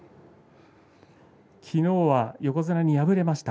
きのうは横綱に敗れました